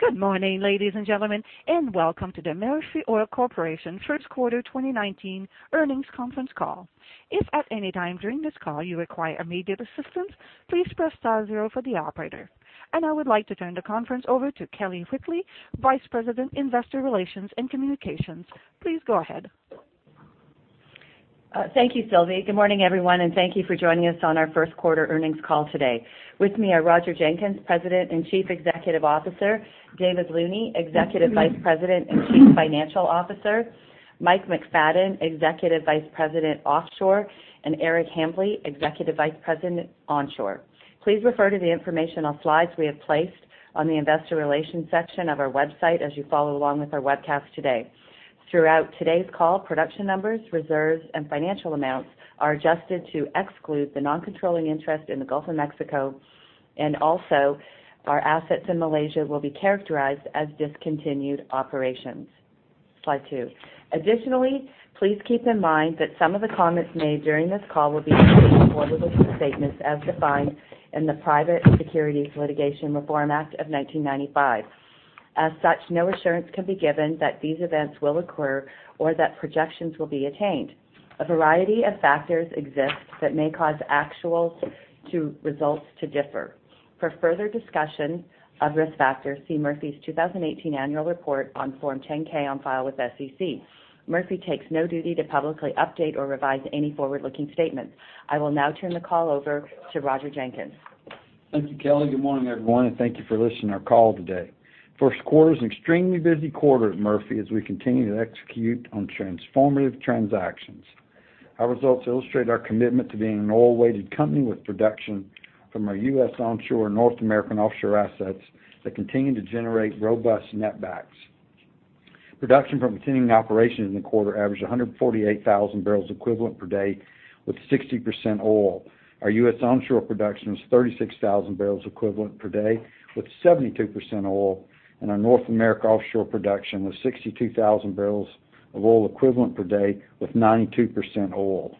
Good morning, ladies and gentlemen, welcome to the Murphy Oil Corporation first quarter 2019 earnings conference call. If at any time during this call you require immediate assistance, please press star 0 for the operator. I would like to turn the conference over to Kelly Whitley, Vice President, Investor Relations and Communications. Please go ahead. Thank you, Sylvie. Good morning, everyone, thank you for joining us on our first quarter earnings call today. With me are Roger Jenkins, President and Chief Executive Officer, David Looney, Executive Vice President and Chief Financial Officer, Mike McFadyen, Executive Vice President, Offshore, and Eric Hambly, Executive Vice President, Onshore. Please refer to the informational slides we have placed on the investor relations section of our website as you follow along with our webcast today. Throughout today's call, production numbers, reserves, and financial amounts are adjusted to exclude the non-controlling interest in the Gulf of Mexico. Also, our assets in Malaysia will be characterized as discontinued operations. Slide two. Additionally, please keep in mind that some of the comments made during this call will be forward-looking statements as defined in the Private Securities Litigation Reform Act of 1995. As such, no assurance can be given that these events will occur or that projections will be attained. A variety of factors exist that may cause actual results to differ. For further discussion of risk factors, see Murphy's 2018 annual report on Form 10-K on file with SEC. Murphy takes no duty to publicly update or revise any forward-looking statements. I will now turn the call over to Roger Jenkins. Thank you, Kelly. Good morning, everyone, thank you for listening to our call today. First quarter is an extremely busy quarter at Murphy as we continue to execute on transformative transactions. Our results illustrate our commitment to being an oil-weighted company with production from our U.S. onshore North American offshore assets that continue to generate robust netbacks. Production from continuing operations in the quarter averaged 148,000 barrels equivalent per day, with 60% oil. Our U.S. onshore production was 36,000 barrels equivalent per day, with 72% oil, and our North America offshore production was 62,000 barrels of oil equivalent per day, with 92% oil.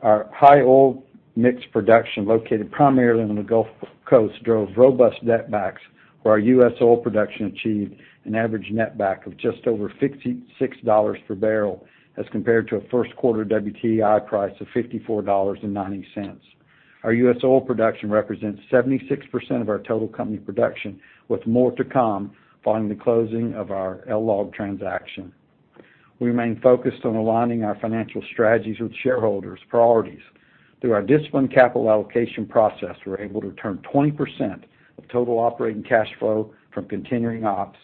Our high oil mix production, located primarily on the Gulf Coast, drove robust netbacks where our U.S. oil production achieved an average netback of just over $56 per barrel as compared to a first quarter WTI price of $54.90. Our U.S. oil production represents 76% of our total company production, with more to come following the closing of our LLOG transaction. We remain focused on aligning our financial strategies with shareholders' priorities. Through our disciplined capital allocation process, we're able to return 20% of total operating cash flow from continuing ops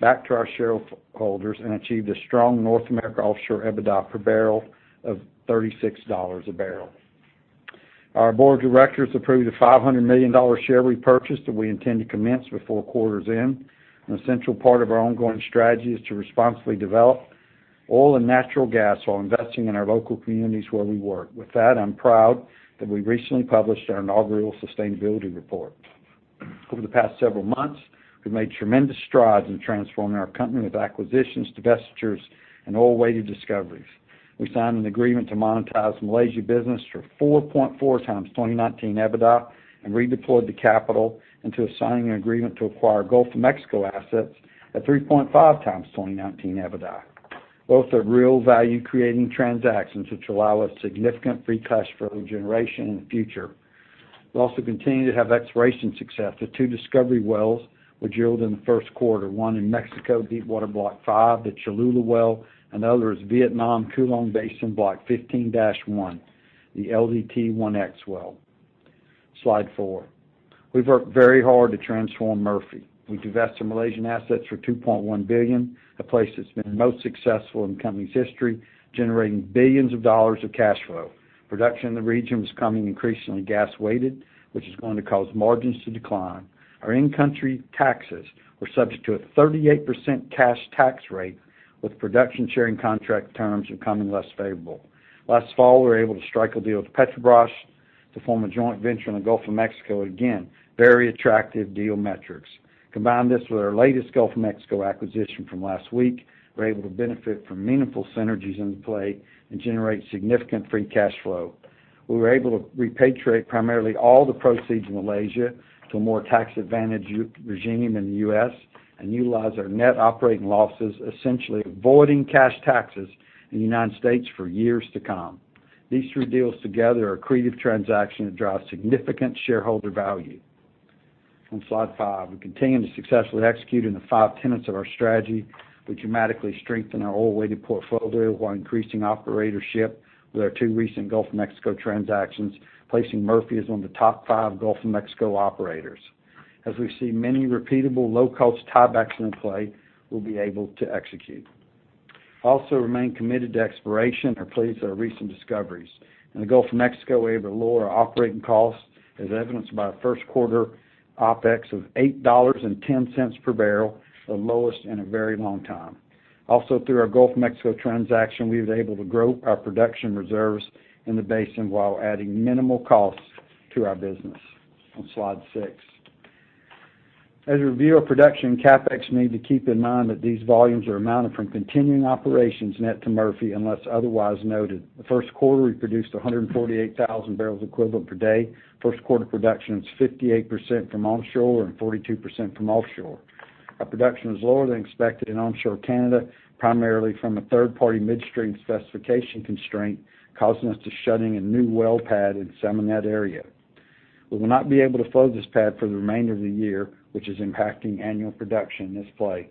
back to our shareholders and achieved a strong North America offshore EBITDA per barrel of $36 a barrel. Our board of directors approved a $500 million share repurchase that we intend to commence before quarter's end. An essential part of our ongoing strategy is to responsibly develop oil and natural gas while investing in our local communities where we work. With that, I'm proud that we recently published our inaugural sustainability report. Over the past several months, we've made tremendous strides in transforming our company with acquisitions, divestitures, and oil-weighted discoveries. We signed an agreement to monetize the Malaysia business for 4.4 times 2019 EBITDA and redeployed the capital into signing an agreement to acquire Gulf of Mexico assets at 3.5 times 2019 EBITDA. Both are real value-creating transactions, which allow us significant free cash flow generation in the future. We also continue to have exploration success. The two discovery wells were drilled in the first quarter, one in Mexico Deepwater Block five, the Cholula well, and the other is Vietnam Cuu Long Basin Block 15-1, the LDT-1X well. Slide four. We've worked very hard to transform Murphy. We divested Malaysian assets for $2.1 billion, a place that's been most successful in the company's history, generating billions of dollars of cash flow. Production in the region was coming increasingly gas-weighted, which is going to cause margins to decline. Our in-country taxes were subject to a 38% cash tax rate, with production sharing contract terms becoming less favorable. Last fall, we were able to strike a deal with Petrobras to form a joint venture in the Gulf of Mexico. Again, very attractive deal metrics. Combine this with our latest Gulf of Mexico acquisition from last week, we're able to benefit from meaningful synergies in play and generate significant free cash flow. We were able to repatriate primarily all the proceeds in Malaysia to a more tax-advantaged regime in the U.S. and utilize our Net Operating Losses, essentially avoiding cash taxes in the United States for years to come. These three deals together are accretive transaction that drive significant shareholder value. On slide five, we continue to successfully execute in the five tenets of our strategy, which dramatically strengthen our oil-weighted portfolio while increasing operatorship with our two recent Gulf of Mexico transactions, placing Murphy as one of the top five Gulf of Mexico operators. As we see many repeatable low-cost tiebacks in play, we'll be able to execute. We also remain committed to exploration. We are pleased with our recent discoveries. In the Gulf of Mexico, we're able to lower our operating costs, as evidenced by our first quarter OpEx of $8.10 per barrel, the lowest in a very long time. Also, through our Gulf of Mexico transaction, we were able to grow our production reserves in the basin while adding minimal costs to our business. On slide six. As a review of production and CapEx, you need to keep in mind that these volumes are amounted from continuing operations net to Murphy, unless otherwise noted. The first quarter, we produced 148,000 barrels equivalent per day. First quarter production was 58% from onshore and 42% from offshore. Our production was lower than expected in onshore Canada, primarily from a third-party midstream specification constraint causing us to shutting a new well pad in Simonette area. We will not be able to flow this pad for the remainder of the year, which is impacting annual production in this play.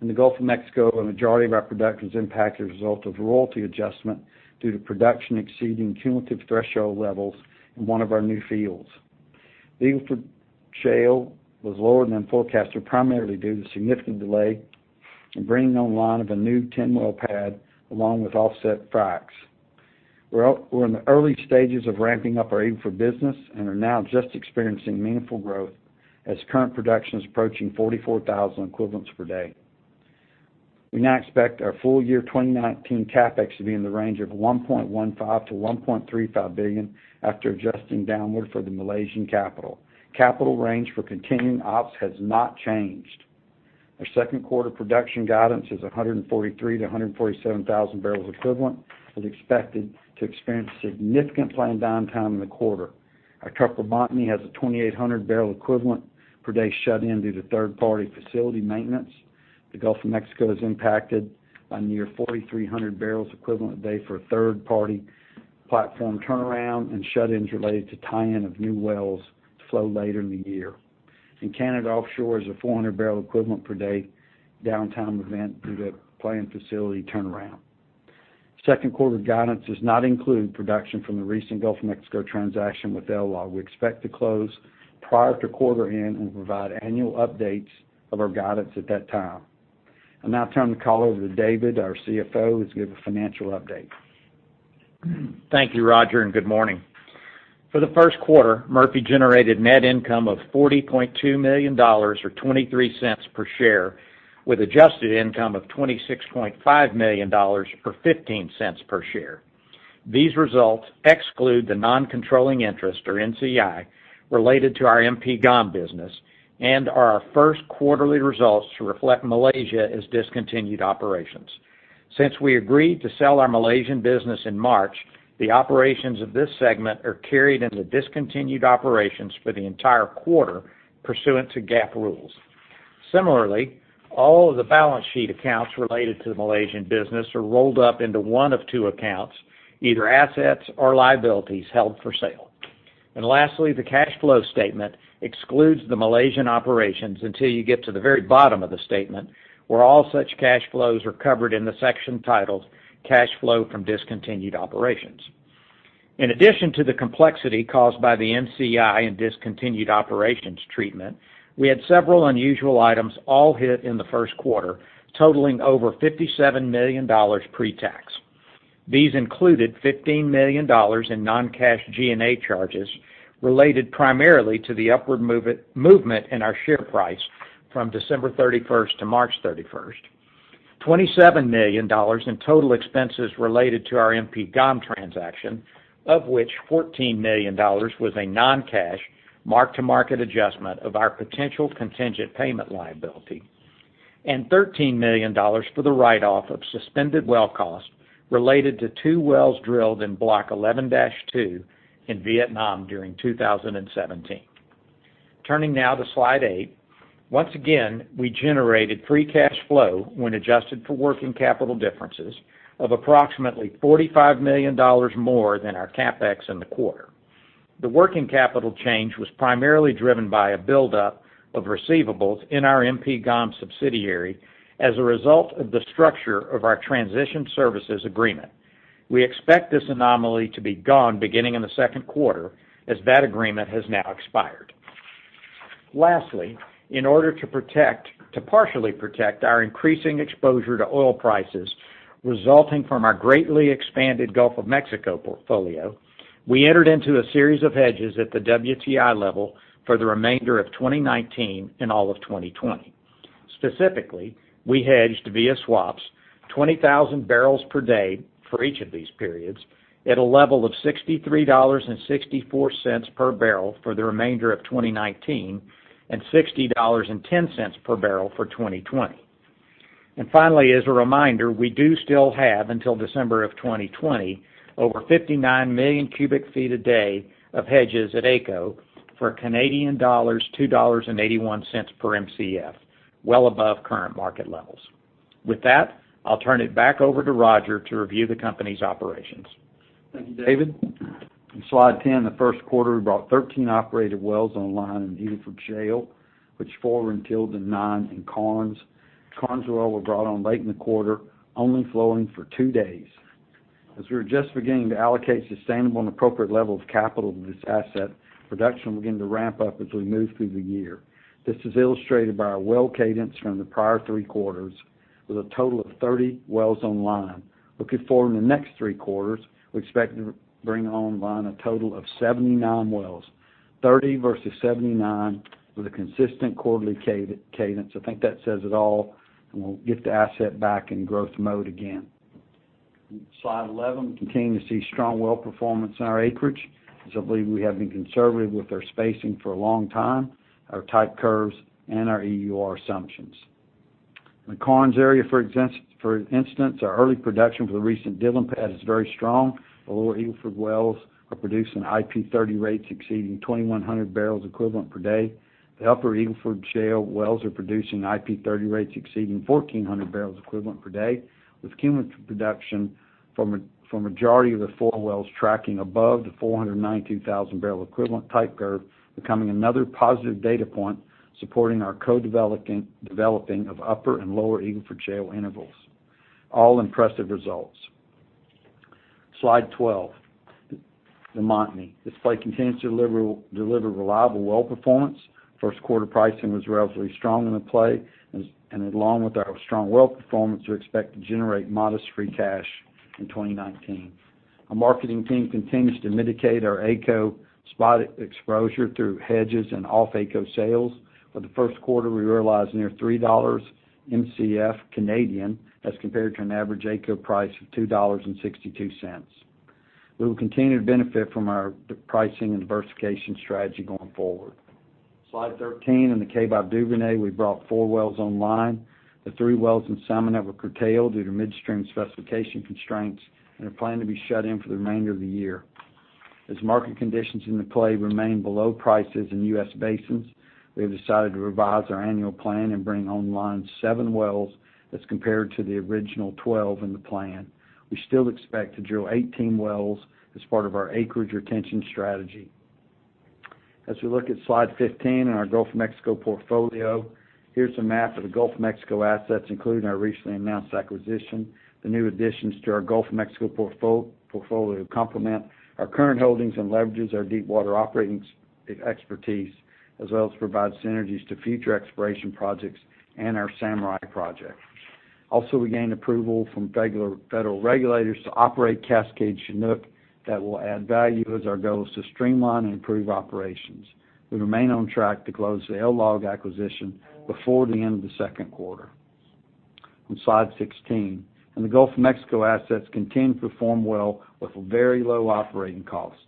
In the Gulf of Mexico, a majority of our production's impact is a result of royalty adjustment due to production exceeding cumulative threshold levels in one of our new fields. The Eagle Ford Shale was lower than forecasted primarily due to significant delay in bringing online of a new 10-well pad along with offset fracs. We're in the early stages of ramping up our Eagle Ford business and are now just experiencing meaningful growth as current production is approaching 44,000 equivalents per day. We now expect our full year 2019 CapEx to be in the range of $1.15 billion to $1.35 billion after adjusting downward for the Malaysian capital. Capital range for continuing ops has not changed. Our second quarter production guidance is 143 thousand to 147 thousand barrels equivalent. It is expected to experience significant planned downtime in the quarter. Our Tupper Montney has a 2,800-barrel equivalent per day shut in due to third-party facility maintenance. The Gulf of Mexico is impacted by near 4,300 barrels equivalent a day for a third-party platform turnaround and shut-ins related to tie-in of new wells to flow later in the year. In Canada Offshore is a 400-barrel equivalent per day downtime event due to planned facility turnaround. Second quarter guidance does not include production from the recent Gulf of Mexico transaction with LLOG. We expect to close prior to quarter end and provide annual updates of our guidance at that time. I'll now turn the call over to David, our CFO, who's give a financial update. Thank you, Roger, and good morning. For the first quarter, Murphy generated net income of $40.2 million or $0.23 per share with adjusted income of $26.5 million or $0.15 per share. These results exclude the non-controlling interest, or NCI, related to our MP GOM business and are our first quarterly results to reflect Malaysia as discontinued operations. Since we agreed to sell our Malaysian business in March, the operations of this segment are carried into discontinued operations for the entire quarter pursuant to GAAP rules. Similarly, all of the balance sheet accounts related to the Malaysian business are rolled up into one of two accounts, either assets or liabilities held for sale. Lastly, the cash flow statement excludes the Malaysian operations until you get to the very bottom of the statement, where all such cash flows are covered in the section titled "Cash Flow from Discontinued Operations." In addition to the complexity caused by the NCI and discontinued operations treatment, we had several unusual items all hit in the first quarter, totaling over $57 million pre-tax. These included $15 million in non-cash G&A charges related primarily to the upward movement in our share price from December 31st to March 31st. $27 million in total expenses related to our MP GOM transaction, of which $14 million was a non-cash mark-to-market adjustment of our potential contingent payment liability, and $13 million for the write-off of suspended well costs related to two wells drilled in Block 11-2 in Vietnam during 2017. Turning now to slide eight. Once again, we generated free cash flow when adjusted for working capital differences of approximately $45 million more than our CapEx in the quarter. The working capital change was primarily driven by a buildup of receivables in our MP GOM subsidiary as a result of the structure of our Transition Services Agreement. We expect this anomaly to be gone beginning in the second quarter as that agreement has now expired. Lastly, in order to partially protect our increasing exposure to oil prices resulting from our greatly expanded Gulf of Mexico portfolio, we entered into a series of hedges at the WTI level for the remainder of 2019 and all of 2020. Specifically, we hedged via swaps 20,000 barrels per day for each of these periods at a level of $63.64 per barrel for the remainder of 2019 and $60.10 per barrel for 2020. Finally, as a reminder, we do still have until December of 2020 over 59 million cubic feet a day of hedges at AECO for Canadian dollars 2.81 per Mcf, well above current market levels. With that, I'll turn it back over to Roger to review the company's operations. Thank you, David. In slide 10, the first quarter, we brought 13 operated wells online in the Eagle Ford Shale, which four were in Tilden, nine in Karnes. Karnes well were brought on late in the quarter, only flowing for two days. As we are just beginning to allocate sustainable and appropriate levels of capital to this asset, production will begin to ramp up as we move through the year. This is illustrated by our well cadence from the prior three quarters, with a total of 30 wells online. Looking forward in the next three quarters, we expect to bring online a total of 79 wells, 30 versus 79 with a consistent quarterly cadence. I think that says it all, and we'll get the asset back in growth mode again. Slide 11. We continue to see strong well performance in our acreage, as I believe we have been conservative with our spacing for a long time, our type curves, and our EUR assumptions. In the Karnes area, for instance, our early production for the recent Dillon pad is very strong. The Lower Eagle Ford wells are producing IP30 rates exceeding 2,100 barrels equivalent per day. The Upper Eagle Ford Shale wells are producing IP30 rates exceeding 1,400 barrels equivalent per day, with cumulative production from majority of the four wells tracking above the 492,000 barrel equivalent type curve, becoming another positive data point supporting our co-developing of Upper and Lower Eagle Ford Shale intervals. All impressive results. Slide 12. The Montney. This play continues to deliver reliable well performance. First quarter pricing was relatively strong in the play. Along with our strong well performance, we expect to generate modest free cash in 2019. Our marketing team continues to mitigate our AECO spot exposure through hedges and off-AECO sales. For the first quarter, we realized near 3 dollars MCF Canadian as compared to an average AECO price of 2.62 dollars. We will continue to benefit from our pricing and diversification strategy going forward. Slide 13. In the Kaybob Duvernay, we brought four wells online. The three wells in Salmon that were curtailed due to midstream specification constraints and are planned to be shut in for the remainder of the year. As market conditions in the play remain below prices in U.S. basins, we have decided to revise our annual plan and bring online seven wells as compared to the original 12 in the plan. We still expect to drill 18 wells as part of our acreage retention strategy. We look at slide 15 and our Gulf of Mexico portfolio. Here's a map of the Gulf of Mexico assets, including our recently announced acquisition. The new additions to our Gulf of Mexico portfolio complement our current holdings and leverages our deepwater operating expertise, as well as provide synergies to future exploration projects and our Samurai project. We gained approval from federal regulators to operate Cascade Chinook that will add value as our goal is to streamline and improve operations. We remain on track to close the LLOG acquisition before the end of the second quarter. On slide 16. The Gulf of Mexico assets continue to perform well with very low operating costs.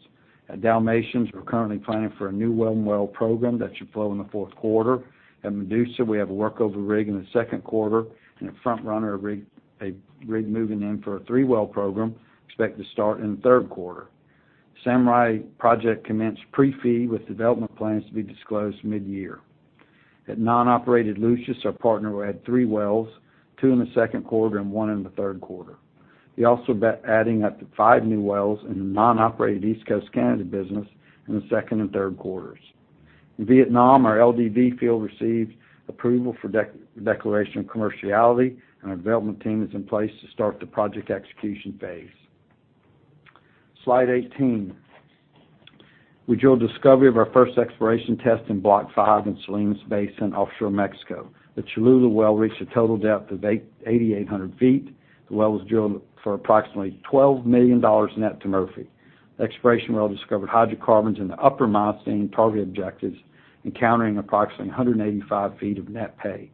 At Dalmatian, we're currently planning for a new well program that should flow in the fourth quarter. At Medusa, we have a workover rig in the second quarter, and a Front Runner rig moving in for a three-well program expected to start in the third quarter. Samurai project commenced pre-FEED with development plans to be disclosed mid-year. At non-operated Lucius, our partner will add three wells, two in the second quarter, and one in the third quarter. We're also adding up to five new wells in the non-operated East Coast Canada business in the second and third quarters. In Vietnam, our LDV field received approval for declaration of commerciality. Our development team is in place to start the project execution phase. Slide 18. We drilled discovery of our first exploration test in Block 5 in Salina Basin offshore Mexico. The Cholula well reached a total depth of 8,800 feet. The well was drilled for approximately $12 million net to Murphy. The exploration well discovered hydrocarbons in the Upper Miocene target objectives, encountering approximately 185 feet of net pay.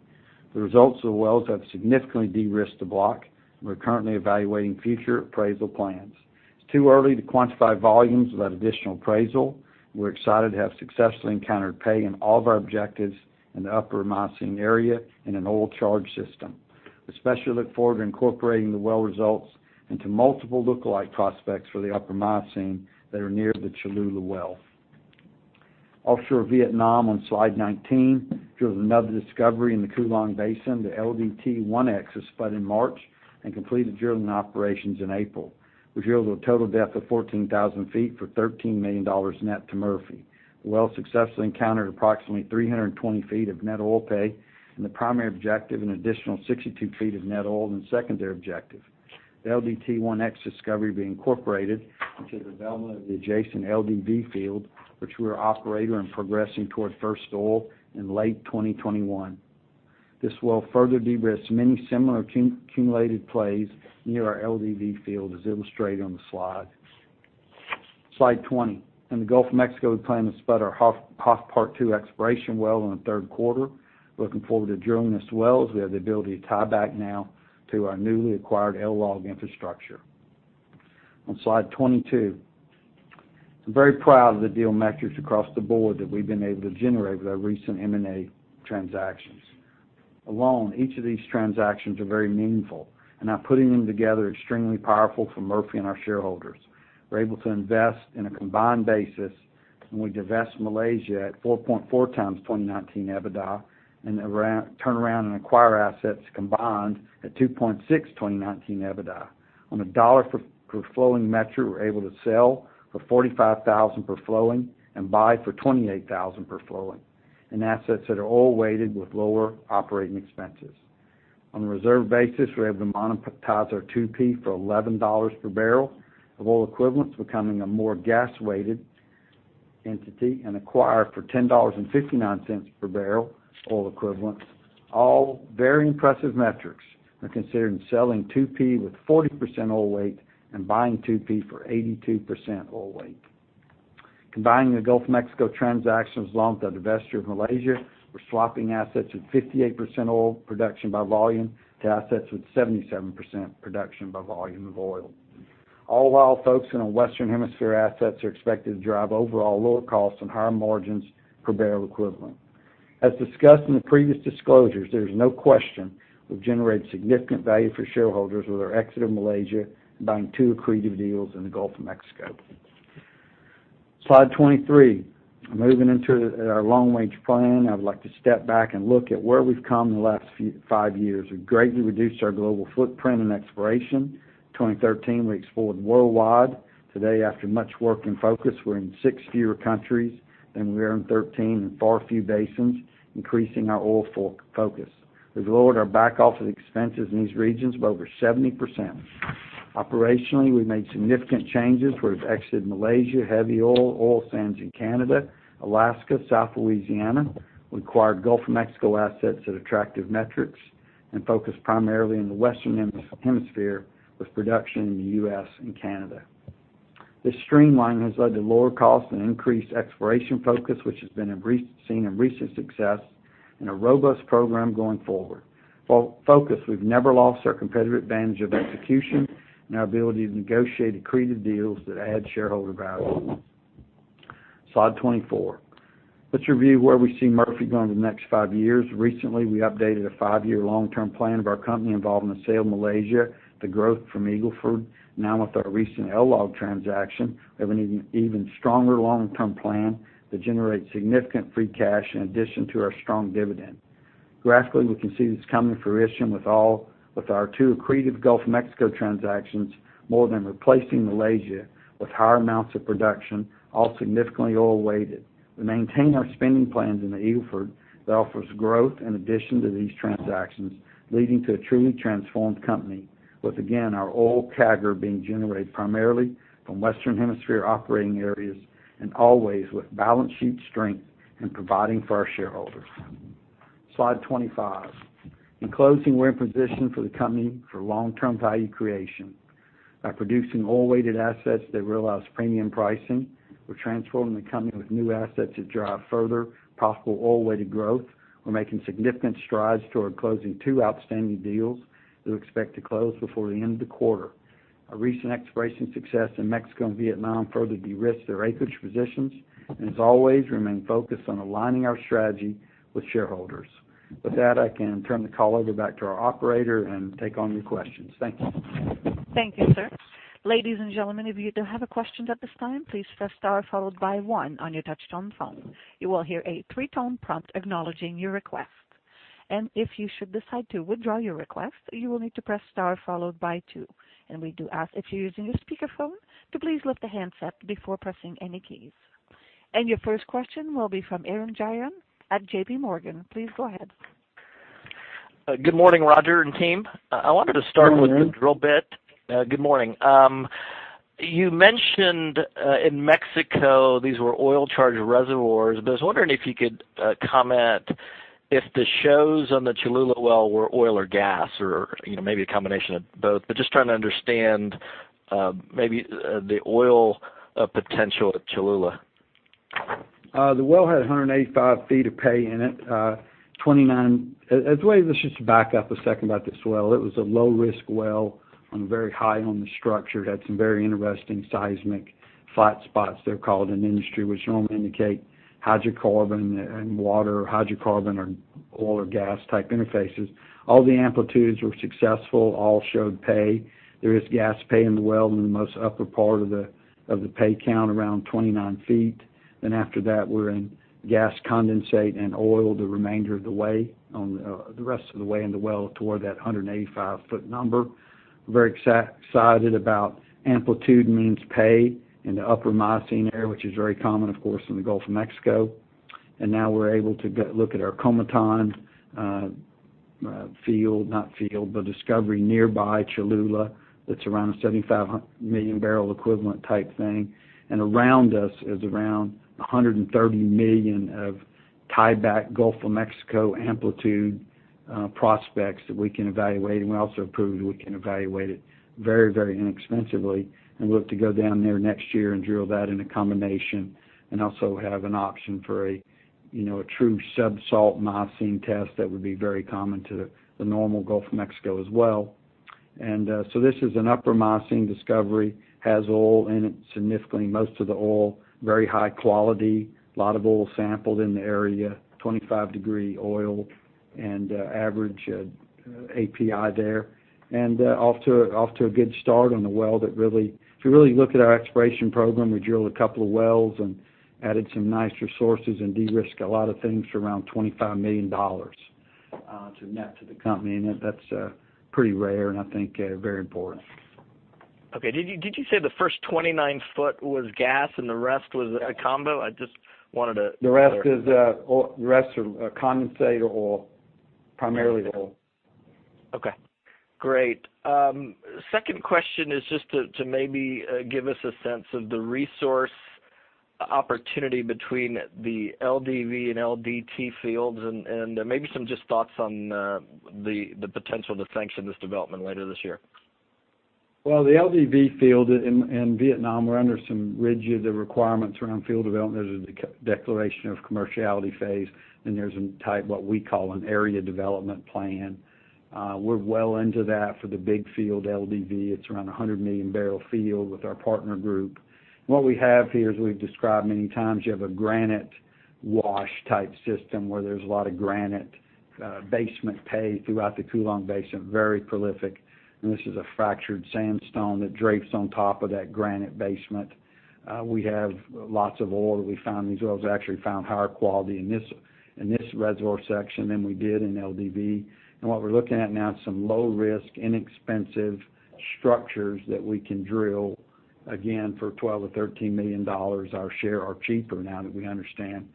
The results of the wells have significantly de-risked the block, and we're currently evaluating future appraisal plans. It's too early to quantify volumes without additional appraisal. We're excited to have successfully encountered pay in all of our objectives in the Upper Miocene area in an oil charge system. We especially look forward to incorporating the well results into multiple lookalike prospects for the Upper Miocene that are near the Cholula well. Offshore Vietnam on slide 19. Drilled another discovery in the Cuu Long Basin. The LDT-1X was spud in March and completed drilling operations in April. We drilled to a total depth of 14,000 feet for $13 million net to Murphy. The well successfully encountered approximately 320 feet of net oil pay in the primary objective and additional 62 feet of net oil in secondary objective. The LDT-1X discovery will be incorporated into the development of the adjacent LDV field, which we're operator and progressing toward first oil in late 2021. This well further de-risks many similar accumulated plays near our LDV field as illustrated on the slide. Slide 20. In the Gulf of Mexico, we plan to spud our Hoff Part Two exploration well in the third quarter. Looking forward to drilling this well, as we have the ability to tie back now to our newly acquired LLOG infrastructure. On slide 22. I'm very proud of the deal metrics across the board that we've been able to generate with our recent M&A transactions. Alone, each of these transactions are very meaningful. Now putting them together extremely powerful for Murphy and our shareholders. We're able to invest in a combined basis when we divest Malaysia at 4.4 times 2019 EBITDA and turn around and acquire assets combined at 2.6 2019 EBITDA. On a dollar per flowing metric, we're able to sell for 45,000 per flowing and buy for 28,000 per flowing in assets that are oil weighted with lower operating expenses. On a reserve basis, we're able to monetize our 2P for $11 per barrel of oil equivalents, becoming a more gas-weighted entity, and acquire for $10.59 per barrel oil equivalents. All very impressive metrics when considering selling 2P with 40% oil weight and buying 2P for 82% oil weight. Combining the Gulf of Mexico transactions along with the divesture of Malaysia, we're swapping assets with 58% oil production by volume to assets with 77% production by volume of oil. All while folks in our Western Hemisphere assets are expected to drive overall lower costs and higher margins per barrel equivalent. As discussed in the previous disclosures, there's no question we've generated significant value for shareholders with our exit of Malaysia and buying two accretive deals in the Gulf of Mexico. Slide 23. Moving into our long-range plan, I would like to step back and look at where we've come in the last five years. We've greatly reduced our global footprint and exploration. 2013, we explored worldwide. Today, after much work and focus, we're in six fewer countries than we were in 2013, far few basins, increasing our oil focus. We've lowered our back office expenses in these regions by over 70%. Operationally, we've made significant changes. We've exited Malaysia, heavy oil sands in Canada, Alaska, South Louisiana. We acquired Gulf of Mexico assets at attractive metrics and focused primarily on the Western Hemisphere, with production in the U.S. and Canada. This streamlining has led to lower costs and increased exploration focus, which has been seen in recent success and a robust program going forward. Focus, we've never lost our competitive advantage of execution and our ability to negotiate accretive deals that add shareholder value. Slide 24. Let's review where we see Murphy going in the next five years. Recently, we updated a five-year long-term plan of our company involving the sale of Malaysia, the growth from Eagle Ford. With our recent LLOG transaction, we have an even stronger long-term plan that generates significant free cash in addition to our strong dividend. Graphically, we can see this coming to fruition with our two accretive Gulf of Mexico transactions, more than replacing Malaysia with higher amounts of production, all significantly oil weighted. We maintain our spending plans in the Eagle Ford that offers growth in addition to these transactions, leading to a truly transformed company with, again, our oil CAGR being generated primarily from Western Hemisphere operating areas, and always with balance sheet strength and providing for our shareholders. Slide 25. In closing, we're in position for the company for long-term value creation. By producing oil-weighted assets that realize premium pricing, we're transforming the company with new assets that drive further possible oil-weighted growth. We're making significant strides toward closing two outstanding deals that we expect to close before the end of the quarter. Our recent exploration success in Mexico and Vietnam further de-risked their acreage positions, and as always, remain focused on aligning our strategy with shareholders. With that, I can turn the call over back to our operator and take on your questions. Thank you. Thank you, sir. Ladies and gentlemen, if you do have a question at this time, please press star followed by one on your touch-tone phone. You will hear a three-tone prompt acknowledging your request. If you should decide to withdraw your request, you will need to press star followed by two. We do ask if you're using your speakerphone, to please lift the handset before pressing any keys. Your first question will be from Arun Jayaram at JPMorgan. Please go ahead. Good morning, Roger and team. I wanted to start with the drill bit. Good morning. You mentioned in Mexico, these were oil charged reservoirs. I was wondering if you could comment if the shows on the Cholula well were oil or gas, or maybe a combination of both. Just trying to understand maybe the oil potential at Cholula. The well had 185 feet of pay in it. Let's just back up a second about this well. It was a low-risk well on a very high on the structure, it had some very interesting seismic flat spots, they're called in the industry, which normally indicate hydrocarbon and water, or hydrocarbon or oil or gas type interfaces. All the amplitudes were successful, all showed pay. There is gas pay in the well in the most upper part of the pay count, around 29 feet. After that, we're in gas condensate and oil the remainder of the way, the rest of the way in the well toward that 185-foot number. We're very excited about amplitude means pay in the Upper Miocene area, which is very common, of course, in the Gulf of Mexico. Now we're able to look at our Cometan field, not field, but discovery nearby Cholula. That's around a 7,500 million barrel equivalent type thing. Around us is around 130 million of tieback Gulf of Mexico amplitude prospects that we can evaluate. We also approved we can evaluate it very inexpensively and look to go down there next year and drill that in a combination, and also have an option for a true subsalt Miocene test that would be very common to the normal Gulf of Mexico as well. This is an Upper Miocene discovery, has oil in it, significantly, most of the oil, very high quality, lot of oil sampled in the area, 25-degree oil and average API there. Off to a good start on the well. If you really look at our exploration program, we drilled a couple of wells and added some nice resources and de-risked a lot of things for around $25 million to net to the company, and that's pretty rare and I think very important. Okay. Did you say the first 29 foot was gas and the rest was a combo? I just wanted to clarify. The rest are condensate or oil, primarily oil. Okay, great. Second question is just to maybe give us a sense of the resource opportunity between the LDV and LDT fields, and maybe some just thoughts on the potential to sanction this development later this year. Well, the LDV field in Vietnam, we're under some rigid requirements around field development. There's a declaration of commerciality phase, and there's what we call an area development plan. We're well into that for the big field LDV. It's around 100 million barrel field with our partner group. What we have here, as we've described many times, you have a granite wash type system where there's a lot of granite basement pay throughout the Cuu Long Basin, very prolific. This is a fractured sandstone that drapes on top of that granite basement. We have lots of oil that we found. These oils actually found higher quality in this reservoir section than we did in LDV. What we're looking at now is some low risk, inexpensive structures that we can drill, again, for $12 or $13 million our share, or cheaper, now that we understand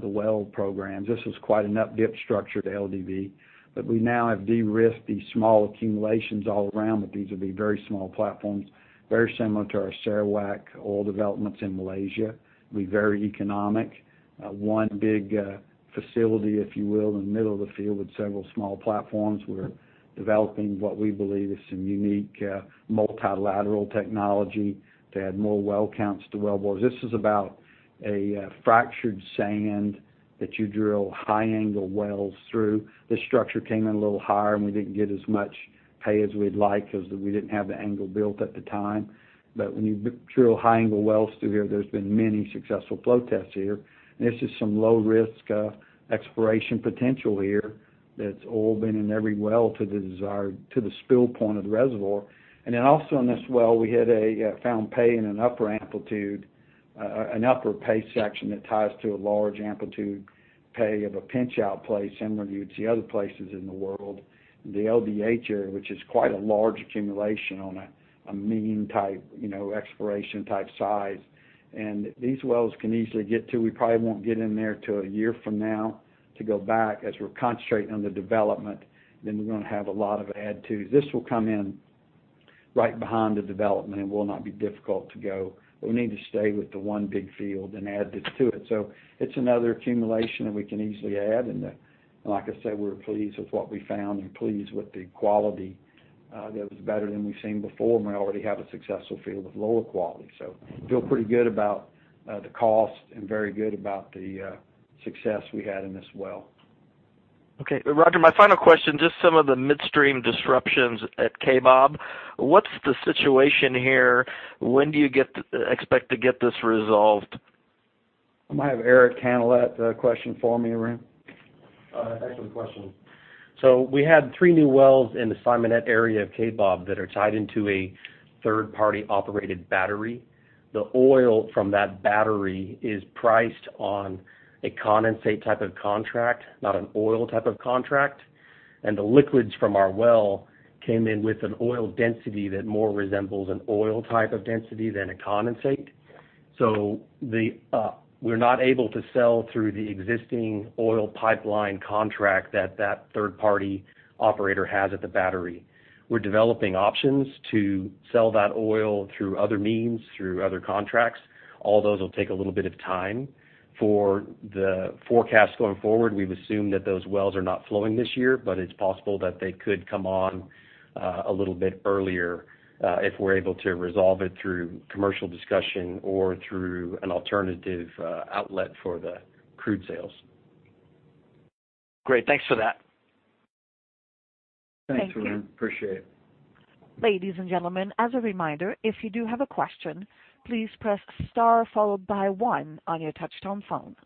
the well programs. This was quite an up-dip structure to LDV. We now have de-risked these small accumulations all around, these will be very small platforms, very similar to our Sarawak oil developments in Malaysia. It'll be very economic. One big facility, if you will, in the middle of the field with several small platforms. We're developing what we believe is some unique multilateral technology to add more well counts to well bores. This is about a fractured sand that you drill high angle wells through. This structure came in a little higher, we didn't get as much pay as we'd like because we didn't have the angle built at the time. When you drill high angle wells through here, there's been many successful flow tests here, and this is some low risk exploration potential here that's oil been in every well to the spill point of the reservoir. Also in this well, we had found pay in an upper pay section that ties to a large amplitude pay of a pinch out play similar to what you'd see other places in the world. The LDH area, which is quite a large accumulation on a mean type, exploration type size. These wells can easily get to, we probably won't get in there till a year from now to go back as we're concentrating on the development. We're going to have a lot of add to. This will come in right behind the development and will not be difficult to go. We need to stay with the one big field and add this to it. It's another accumulation that we can easily add, and like I said, we're pleased with what we found and pleased with the quality. That was better than we've seen before, we already have a successful field of lower quality. Feel pretty good about the cost and very good about the success we had in this well. Okay. Roger, my final question, just some of the midstream disruptions at Kaybob. What's the situation here? When do you expect to get this resolved? I might have Eric Hambly question for me, Arun. Excellent question. We had three new wells in the Simonette area of Kaybob that are tied into a third-party operated battery. The oil from that battery is priced on a condensate type of contract, not an oil type of contract. The liquids from our well came in with an oil density that more resembles an oil type of density than a condensate. We're not able to sell through the existing oil pipeline contract that that third-party operator has at the battery. We're developing options to sell that oil through other means, through other contracts. All those will take a little bit of time. For the forecast going forward, we've assumed that those wells are not flowing this year, but it's possible that they could come on a little bit earlier, if we're able to resolve it through commercial discussion or through an alternative outlet for the crude sales. Great. Thanks for that. Thanks, Arun. Appreciate it. Thank you. Ladies and gentlemen, as a reminder, if you do have a question, please press star followed by one on your touchtone phone.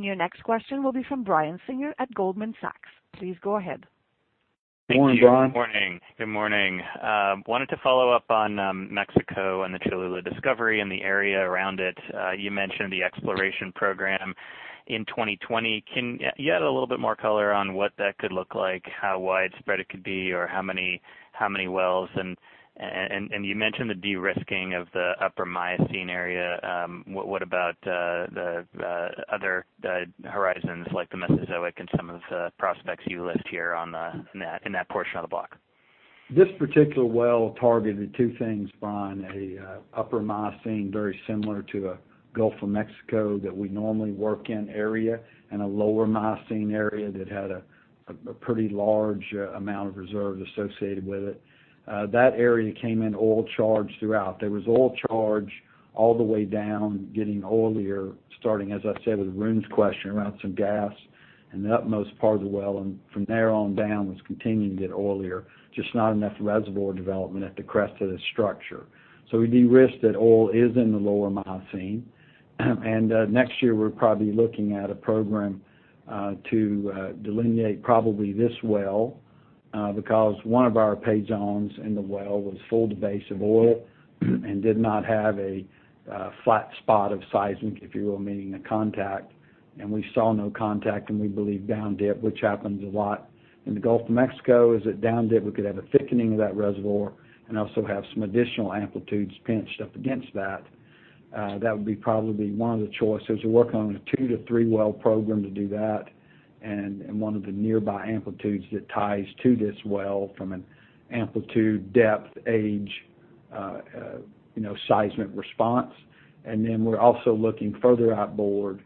Your next question will be from Brian Singer at Goldman Sachs. Please go ahead. Morning, Brian. Thank you. Morning. Good morning. Wanted to follow up on Mexico and the Cholula discovery and the area around it. You mentioned the exploration program in 2020. Can you add a little bit more color on what that could look like, how widespread it could be, or how many wells? You mentioned the de-risking of the Upper Miocene area. What about the other horizons, like the Mesozoic and some of the prospects you list here in that portion of the block? This particular well targeted two things, Brian. An Upper Miocene very similar to a Gulf of Mexico that we normally work in area, and a Lower Miocene area that had a pretty large amount of reserves associated with it. That area came in oil charged throughout. There was oil charge all the way down, getting oilier, starting, as I said, with Arun's question, around some gas in the utmost part of the well, and from there on down was continuing to get oilier, just not enough reservoir development at the crest of the structure. We de-risked that oil is in the Lower Miocene. Next year, we're probably looking at a program to delineate probably this well, because one of our pay zones in the well was full to base of oil and did not have a flat spot of seismic, if you will, meaning a contact. We saw no contact, and we believe down dip, which happens a lot in the Gulf of Mexico, is that down dip, we could have a thickening of that reservoir and also have some additional amplitudes pinched up against that. That would be probably one of the choices. We're working on a two to three well program to do that. And one of the nearby amplitudes that ties to this well from an amplitude, depth, age seismic response. We're also looking further outboard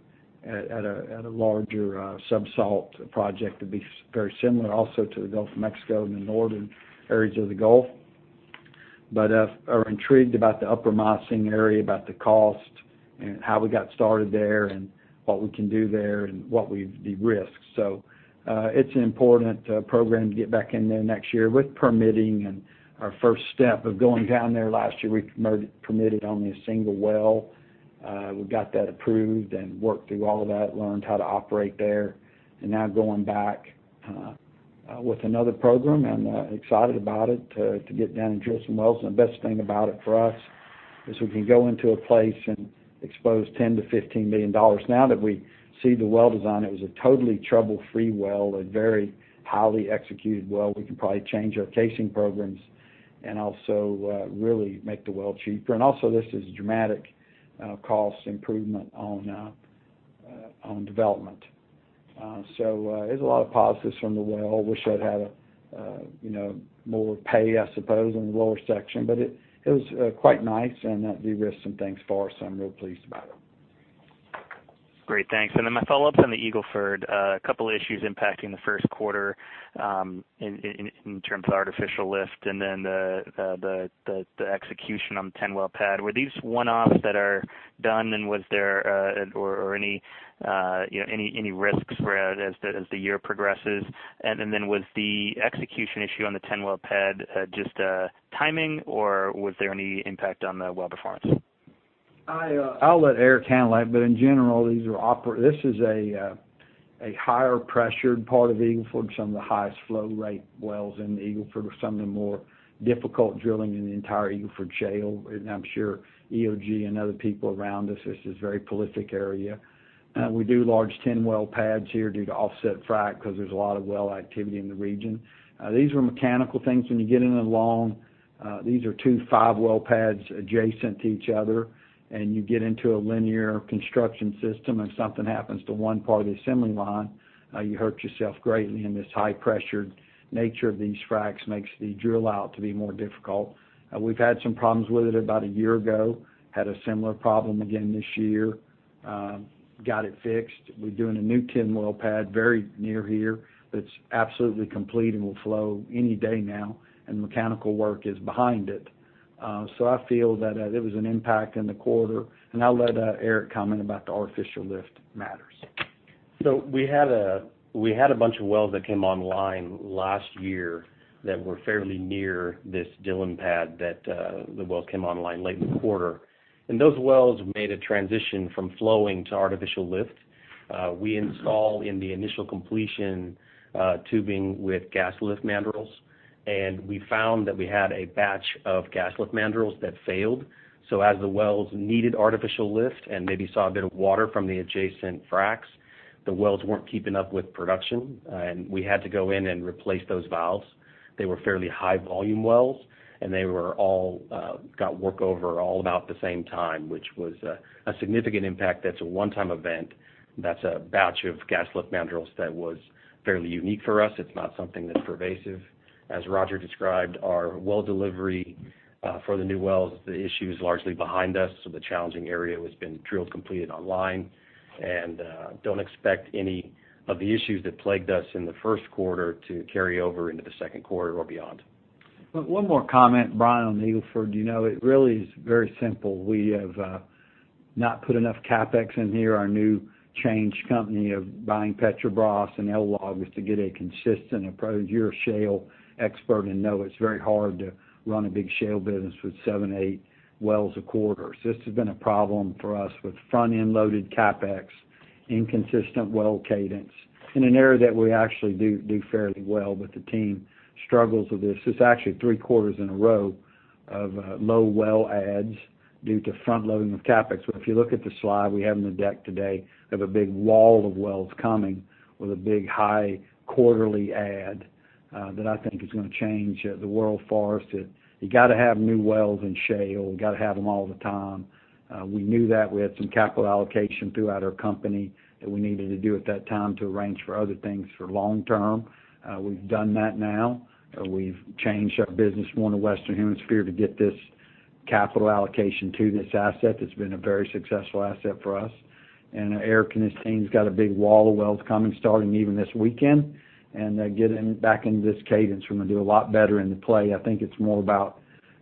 at a larger subsalt project that'd be very similar also to the Gulf of Mexico in the northern areas of the Gulf. Are intrigued about the Upper Miocene area, about the cost and how we got started there and what we can do there and what we've de-risked. It's an important program to get back in there next year with permitting and our first step of going down there last year, we permitted only a single well. We got that approved and worked through all of that, learned how to operate there. Now going back with another program and excited about it, to get down and drill some wells. The best thing about it for us is we can go into a place and expose $10 million to $15 million. Now that we see the well design, it was a totally trouble-free well, a very highly executed well. We can probably change our casing programs and also, really make the well cheaper. This is a dramatic cost improvement on development. There's a lot of positives from the well. Wish I'd had more pay, I suppose, in the lower section, but it was quite nice and de-risked some things for us, so I'm real pleased about it. My follow-up's on the Eagle Ford. A couple issues impacting the first quarter, in terms of artificial lift and then the execution on the 10-well pad. Were these one-offs that are done, and was there any risks for as the year progresses? Was the execution issue on the 10-well pad just timing, or was there any impact on the well performance? I'll let Eric handle that. In general, this is a higher pressured part of Eagle Ford. Some of the highest flow rate wells in the Eagle Ford are some of the more difficult drilling in the entire Eagle Ford Shale. I'm sure EOG and other people around us, this is a very prolific area. We do large 10-well pads here due to offset frac, because there's a lot of well activity in the region. These were mechanical things. These are two five-well pads adjacent to each other. You get into a linear construction system. If something happens to one part of the assembly line, you hurt yourself greatly, and this high-pressured nature of these fracs makes the drill out to be more difficult. We've had some problems with it about a year ago, had a similar problem again this year. Got it fixed. We're doing a new 10-well pad very near here that's absolutely complete and will flow any day now. Mechanical work is behind it. I feel that it was an impact in the quarter. I'll let Eric comment about the artificial lift matters. We had a bunch of wells that came online last year that were fairly near this Dillon pad, that the wells came online late in the quarter. Those wells made a transition from flowing to artificial lift. We install in the initial completion tubing with gas lift mandrels. We found that we had a batch of gas lift mandrels that failed. As the wells needed artificial lift and maybe saw a bit of water from the adjacent fracs, the wells weren't keeping up with production, and we had to go in and replace those valves. They were fairly high volume wells, and they all got workover all about the same time, which was a significant impact. That's a one-time event. That's a batch of gas lift mandrels that was fairly unique for us. It's not something that's pervasive. As Roger described, our well delivery, for the new wells, the issue is largely behind us. The challenging area has been drilled, completed, and online. Don't expect any of the issues that plagued us in the first quarter to carry over into the second quarter or beyond. One more comment, Brian, on Eagle Ford. It really is very simple. We have not put enough CapEx in here. Our new change company of buying Petrobras and LLOG is to get a consistent approach. You're a shale expert and know it's very hard to run a big shale business with seven, eight wells a quarter. This has been a problem for us with front-end loaded CapEx, inconsistent well cadence in an area that we actually do fairly well, but the team struggles with this. This is actually three quarters in a row of low well adds due to front loading of CapEx. If you look at the slide we have in the deck today, we have a big wall of wells coming with a big, high quarterly add that I think is going to change the world for us. You got to have new wells in shale. You got to have them all the time. We knew that. We had some capital allocation throughout our company that we needed to do at that time to arrange for other things for long term. We've done that now. We've changed our business more to Western Hemisphere to get this capital allocation to this asset that's been a very successful asset for us. Eric and his team's got a big wall of wells coming, starting even this weekend. Getting back into this cadence, we're going to do a lot better in the play. I think it's more about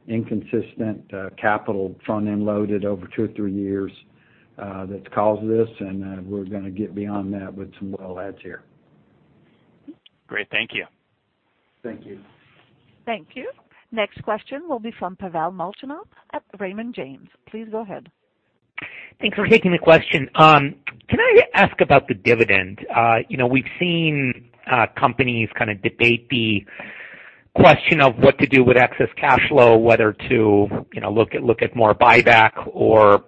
inconsistent capital front-end loaded over two or three years that's caused this, and we're going to get beyond that with some well adds here. Great. Thank you. Thank you. Thank you. Next question will be from Pavel Molchanov at Raymond James. Please go ahead. Thanks for taking the question. Can I ask about the dividend? We've seen companies kind of debate the question of what to do with excess cash flow, whether to look at more buyback or,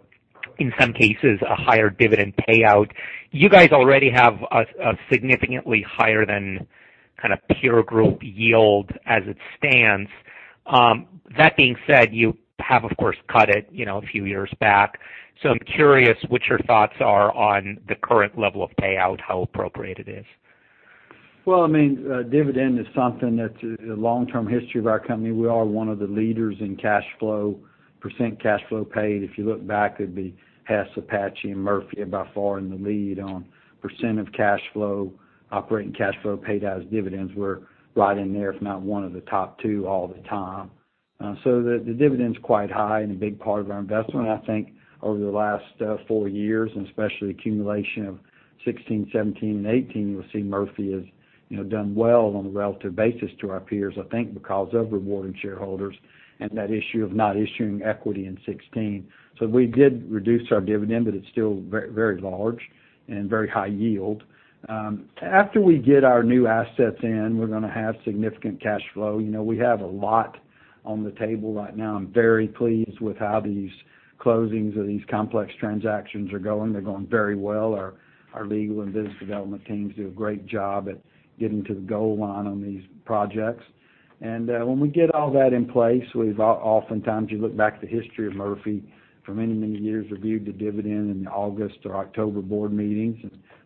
in some cases, a higher dividend payout. You guys already have a significantly higher than kind of peer group yield as it stands. That being said, you have, of course, cut it a few years back. I'm curious what your thoughts are on the current level of payout, how appropriate it is. Dividend is something that's a long-term history of our company. We are one of the leaders in cash flow, percent cash flow paid. If you look back, it'd be Hess, Apache, and Murphy by far in the lead on percent of cash flow, operating cash flow paid out as dividends. We're right in there, if not one of the top two all the time. The dividend's quite high and a big part of our investment. I think over the last four years, and especially accumulation of 2016, 2017, and 2018, you'll see Murphy has done well on a relative basis to our peers, I think because of rewarding shareholders and that issue of not issuing equity in 2016. We did reduce our dividend, but it's still very large and very high yield. After we get our new assets in, we're going to have significant cash flow. We have a lot on the table right now. I am very pleased with how these closings of these complex transactions are going. They are going very well. Our legal and business development teams do a great job at getting to the goal line on these projects. When we get all that in place, oftentimes you look back at the history of Murphy, for many, many years, reviewed the dividend in the August or October board meetings.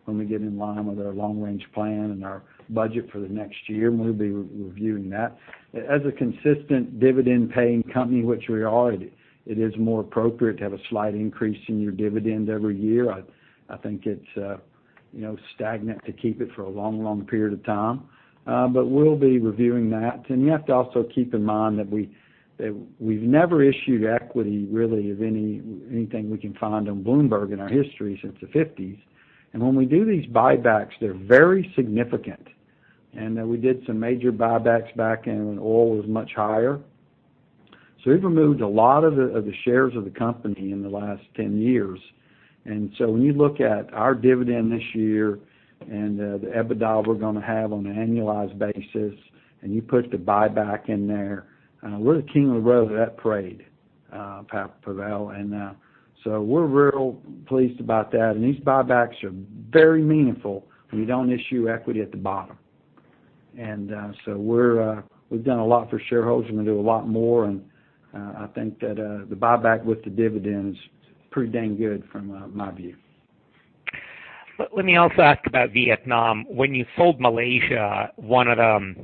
When we get in line with our long-range plan and our budget for the next year, we will be reviewing that. As a consistent dividend-paying company, which we are, it is more appropriate to have a slight increase in your dividend every year. I think it is stagnant to keep it for a long, long period of time. We will be reviewing that. You have to also keep in mind that we've never issued equity, really, of anything we can find on Bloomberg in our history since the '50s. When we do these buybacks, they're very significant. We did some major buybacks back when oil was much higher. We've removed a lot of the shares of the company in the last 10 years. When you look at our dividend this year and the EBITDA we're going to have on an annualized basis, and you put the buyback in there, we're the king of the road of that parade, Pavel. We're real pleased about that. These buybacks are very meaningful when you don't issue equity at the bottom. We've done a lot for shareholders, we're going to do a lot more, and I think that the buyback with the dividend is pretty dang good from my view. Let me also ask about Vietnam. When you sold Malaysia, one of the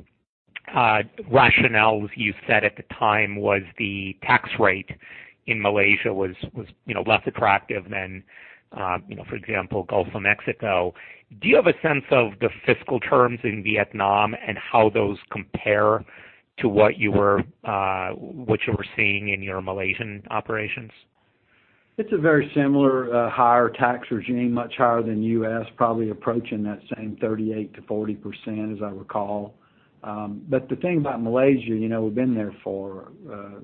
rationales you said at the time was the tax rate in Malaysia was less attractive than, for example, Gulf of Mexico. Do you have a sense of the fiscal terms in Vietnam and how those compare to what you were seeing in your Malaysian operations? It's a very similar higher tax regime, much higher than U.S., probably approaching that same 38%-40%, as I recall. The thing about Malaysia, we've been there for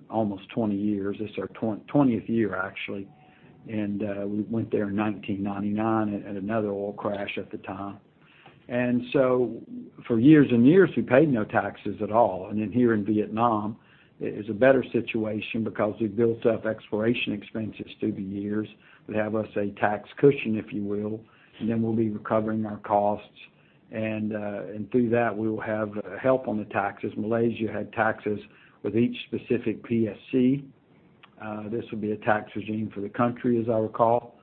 almost 20 years. This is our 20th year, actually. We went there in 1999 at another oil crash at the time. For years and years, we paid no taxes at all. Here in Vietnam, it is a better situation because we've built up exploration expenses through the years that have, say, tax cushion, if you will, and then we'll be recovering our costs. Through that, we will have help on the taxes. Malaysia had taxes with each specific PSC. This will be a tax regime for the country, as I recall.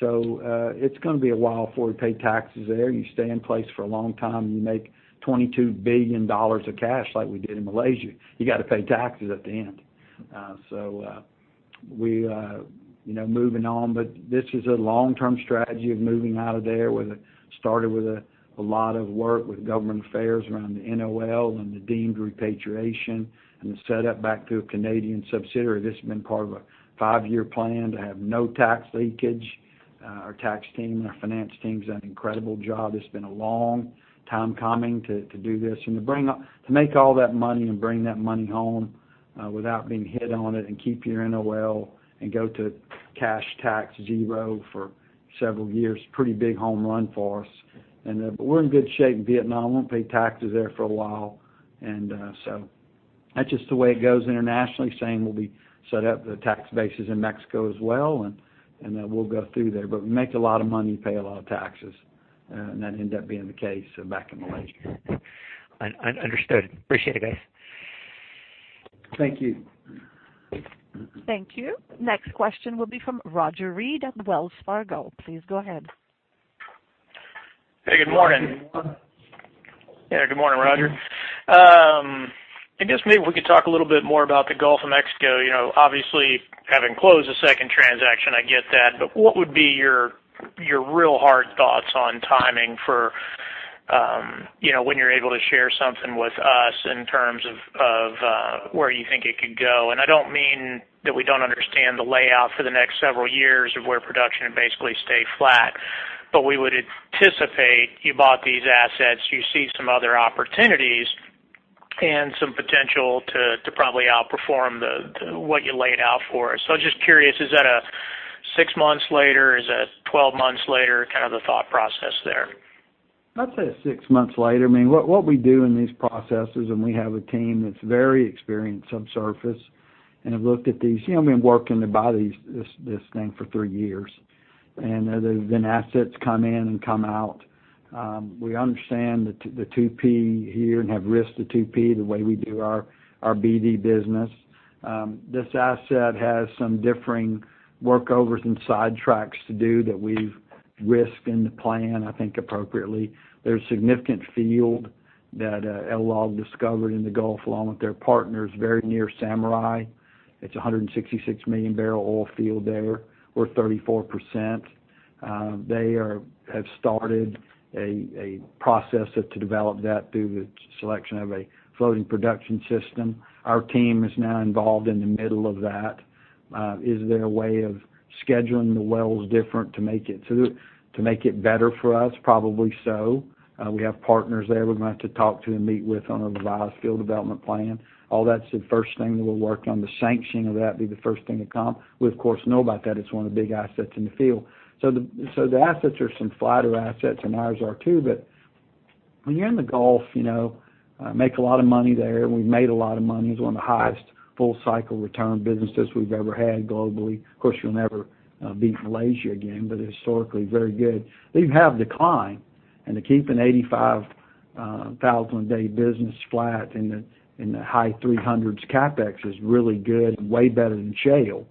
It's going to be a while before we pay taxes there. You stay in place for a long time, you make $22 billion of cash like we did in Malaysia, you got to pay taxes at the end. We are moving on. This is a long-term strategy of moving out of there. Started with a lot of work with government affairs around the NOL and the deemed repatriation, and the set up back to a Canadian subsidiary. This has been part of a five-year plan to have no tax leakage. Our tax team and our finance team's done an incredible job. It's been a long time coming to do this. To make all that money and bring that money home without being hit on it, and keep your NOL, and go to cash tax zero for several years, pretty big home run for us. We're in good shape in Vietnam. Won't pay taxes there for a while. That's just the way it goes internationally. Same will be set up the tax bases in Mexico as well, then we'll go through there. Make a lot of money, pay a lot of taxes. That ended up being the case back in Malaysia. Understood. Appreciate it, guys. Thank you. Thank you. Next question will be from Roger Read at Wells Fargo. Please go ahead. Hey, good morning. Good morning. Yeah. Good morning, Roger. I guess maybe if we could talk a little bit more about the Gulf of Mexico. Obviously, having closed the second transaction, I get that. What would be your real hard thoughts on timing for when you're able to share something with us in terms of where you think it could go? I don't mean that we don't understand the layout for the next several years of where production basically stayed flat. We would anticipate you bought these assets, you see some other opportunities, and some potential to probably outperform what you laid out for us. I was just curious, is that a six months later? Is that 12 months later, kind of the thought process there? I'd say six months later. What we do in these processes. We have a team that's very experienced subsurface and have looked at these. We've been working to buy this thing for three years. Assets come in and come out. We understand the 2P here and have risked the 2P the way we do our BD business. This asset has some differing workovers and sidetracks to do that we've risked in the plan, I think appropriately. There's a significant field that LLOG discovered in the Gulf, along with their partners, very near Samurai. It's a 166 million barrel oil field there. We're 34%. They have started a process to develop that through the selection of a floating production system. Our team is now involved in the middle of that. Is there a way of scheduling the wells different to make it better for us? Probably so. We have partners there we're going to have to talk to and meet with on a revised field development plan. All that's the first thing that we'll work on. The sanction of that will be the first thing to come. We, of course, know about that. It's one of the big assets in the field. The assets are some flatter assets, and ours are too. When you're in the Gulf, make a lot of money there. We made a lot of money. It's one of the highest full-cycle return businesses we've ever had globally. Of course, you'll never beat Malaysia again. Historically very good. They have declined. To keep an 85,000-a-day business flat in the high 300s CapEx is really good, way better than shale.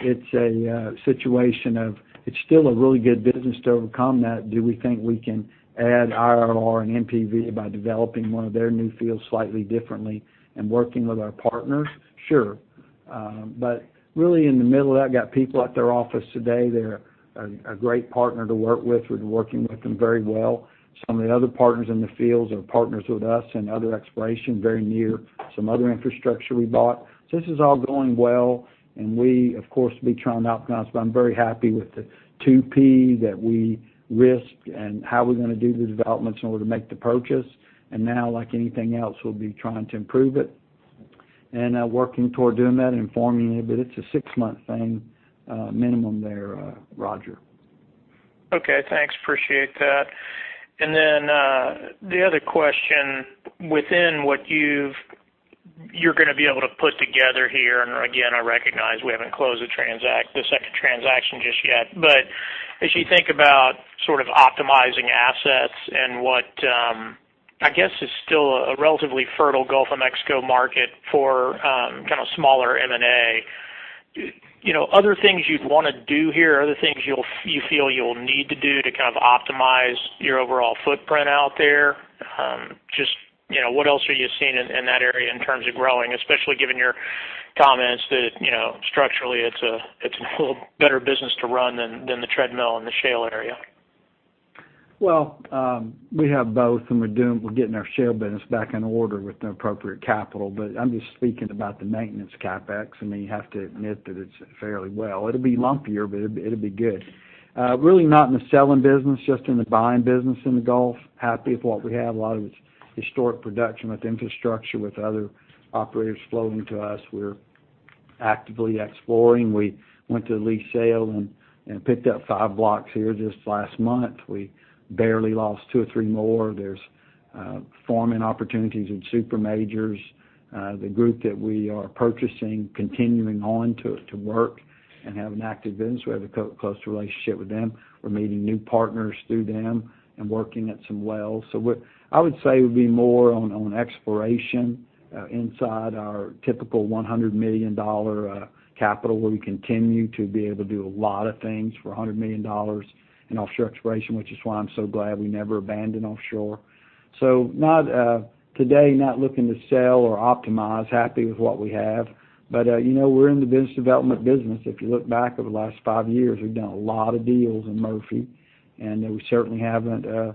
It's a situation of, it's still a really good business to overcome that. Do we think we can add IRR and NPV by developing one of their new fields slightly differently and working with our partners? Sure. Really in the middle of that, got people at their office today. They're a great partner to work with. We've been working with them very well. Some of the other partners in the fields are partners with us and other exploration very near some other infrastructure we bought. This is all going well. We, of course, will be trying to optimize. I'm very happy with the 2P that we risked and how we're going to do the developments in order to make the purchase. Now, like anything else, we'll be trying to improve it. Working toward doing that and informing you. It's a six-month thing minimum there, Roger. Okay, thanks. Appreciate that. The other question within what you're going to be able to put together here, and again, I recognize we haven't closed the second transaction just yet, but as you think about optimizing assets and what, I guess is still a relatively fertile Gulf of Mexico market for kind of smaller M&A. Other things you'd want to do here, other things you feel you'll need to do to optimize your overall footprint out there? Just what else are you seeing in that area in terms of growing, especially given your comments that structurally it's a little better business to run than the treadmill in the shale area? Well, we have both, we're getting our shale business back in order with the appropriate capital. I'm just speaking about the maintenance CapEx. You have to admit that it's fairly well. It'll be lumpier, but it'll be good. Really not in the selling business, just in the buying business in the Gulf. Happy with what we have. A lot of it's historic production with infrastructure, with other operators flowing to us. We're actively exploring. We went to lease sale and picked up five blocks here just last month. We barely lost two or three more. There's farming opportunities with super majors. The group that we are purchasing, continuing on to work and have an active business. We have a close relationship with them. We're meeting new partners through them and working at some wells. I would say it would be more on exploration inside our typical $100 million capital, where we continue to be able to do a lot of things for $100 million in offshore exploration, which is why I'm so glad we never abandoned offshore. Today, not looking to sell or optimize, happy with what we have. We're in the business development business. If you look back over the last five years, we've done a lot of deals in Murphy, see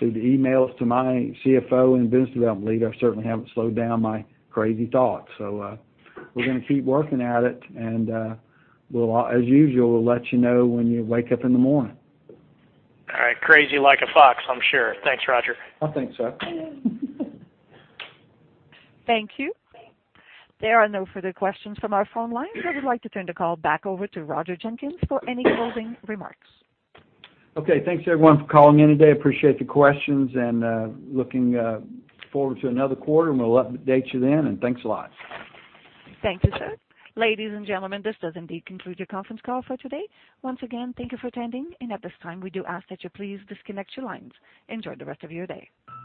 the emails to my CFO and business development leader certainly haven't slowed down my crazy thoughts. We're going to keep working at it, and as usual, we'll let you know when you wake up in the morning. All right. Crazy like a fox, I'm sure. Thanks, Roger. I think so. Thank you. There are no further questions from our phone lines. I would like to turn the call back over to Roger Jenkins for any closing remarks. Okay. Thanks everyone for calling in today. Appreciate the questions and looking forward to another quarter, and we'll update you then, and thanks a lot. Thank you, sir. Ladies and gentlemen, this does indeed conclude your conference call for today. Once again, thank you for attending, and at this time, we do ask that you please disconnect your lines. Enjoy the rest of your day.